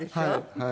はい。